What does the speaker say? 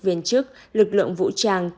viên chức lực lượng vũ trang